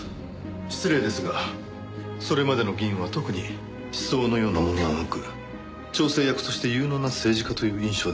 失礼ですがそれまでの議員は特に思想のようなものはなく調整役として有能な政治家という印象でした。